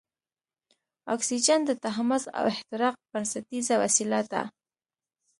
اکسیجن د تحمض او احتراق بنسټیزه وسیله ده.